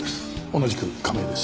同じく亀井です。